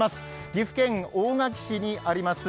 岐阜県大垣市にあります